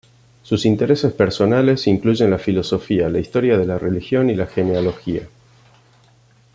Sus intereses personales incluyen la filosofía, la historia de la religión y la genealogía.